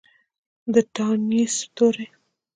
د تانیث توري